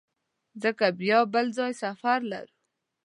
ځکه بیا بل ځای سفر لرو.